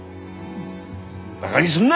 バガにすんな！